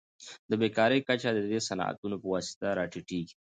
د بیکارۍ کچه د دې صنعتونو په واسطه راټیټیږي.